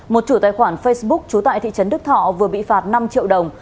một chủ tài khoản facebook trú tại thị trấn đức thọ vừa bị phạt năm triệu đồng